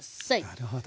なるほど。